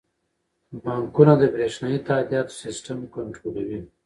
بانکونه د بریښنايي تادیاتو سیستم کنټرولوي.